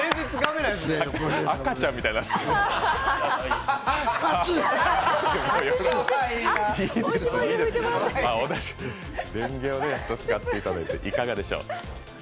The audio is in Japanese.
れんげを使っていただいて、いかがでしょう。